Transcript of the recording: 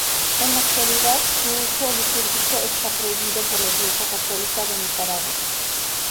En al actualidad su uso litúrgico está prohibido por la Iglesia Católica de Nicaragua.